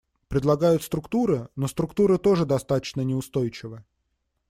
Предлагают структуры, но структуры тоже достаточно неустойчивы.